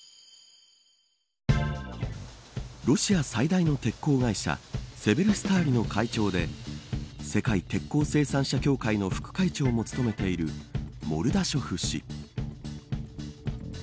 ロシア最大の鉄鋼会社セベルスターリの会長で世界鉄鋼生産者協会の副会長も務めているモルダショフ氏。